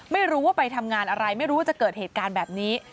ไม่รู้ว่าไปทำงานอะไรไม่รู้ว่าจะเกิดเหตุการณ์แบบนี้